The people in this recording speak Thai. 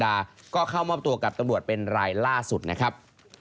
นายกฤษฎาก็เข้ามอบตัวกับตรวจเป็นรายล่าสุดนะครับ